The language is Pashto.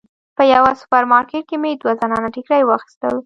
په یوه سوپر مارکیټ کې مې دوه زنانه ټیکري واخیستل.